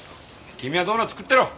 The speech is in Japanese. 君はドーナツ食ってろ！